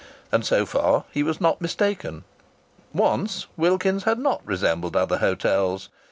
And so far he was not mistaken. Once Wilkins's had not resembled other hotels.